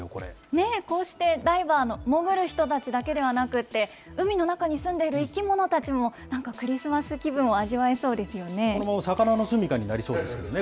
こうして、ダイバーの潜る人たちだけではなくて、海の中に住んでいる生き物たちも、なんかクリスマス気分を味わえそうですよね。